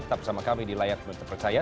tetap bersama kami di layak menutup percaya